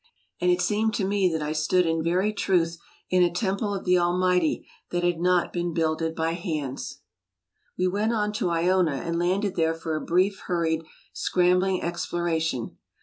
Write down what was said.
And it seemed to me that I stood in very truth in a temple of the Almighty that had not been builded by hands. We went on to lona and landed there for a brief, hur ried, scrambling exploration.